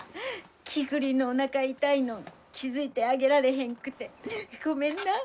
キクリンのおなか痛いのん気付いてあげられへんくってごめんな。